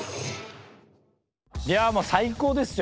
いやもう最高ですよ！